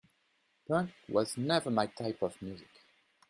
Punk was never my type of music.